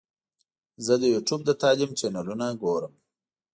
زه د یوټیوب د تعلیم چینلونه ګورم.